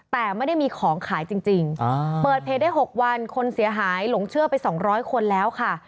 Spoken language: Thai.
แต่ไม่ได้มีของขายจริงเปิดเพจได้๖วันคนเสียหายหลงเชื่อไป๒๐๐คนแล้วค่ะ